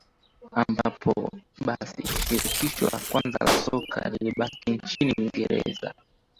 ambapo basi shirikisho la kwanza la soka lilibaki nchini Uingereza